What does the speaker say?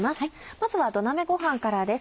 まずは土鍋ごはんからです